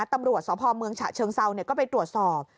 ตำรวจสพเมืองฉะเชิงเซาก็ไปตรวจสอบ